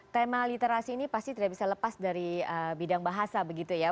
tema literasi ini pasti tidak bisa lepas dari bidang bahasa begitu ya